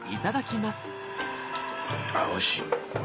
おいしい。